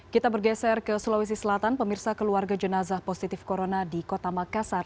kita bergeser ke sulawesi selatan pemirsa keluarga jenazah positif corona di kota makassar